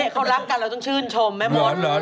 เขารักกันเราต้องชื่นชมแม้ม้วนเหรอน